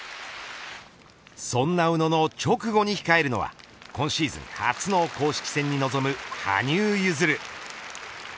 そんな宇野の直後に控えるのは今シーズン初の公式戦に臨む羽生結弦。